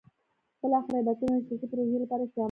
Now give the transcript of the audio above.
بالاخره عبادتونه د سیاسي پروژې لپاره استعمالېږي.